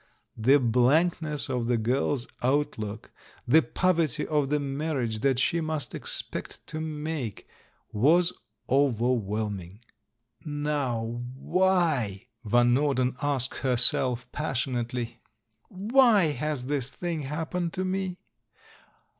The blankness of the girl's outlook, the poverty of the marriage that she must expect to make, was over whelming. "Now, why," Van Norden asked herself passionately, ^'why has this thing hap pened to me?